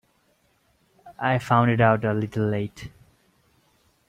I found it out a little late.